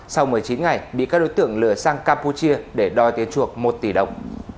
sau một mươi chín ngày bị các đối tượng lừa sang campuchia để đòi tiền chuộc một tỷ đồng